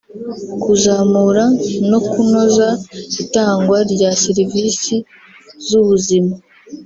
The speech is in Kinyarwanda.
kuzamura no kunoza itangwa rya serivisi z’ubuzima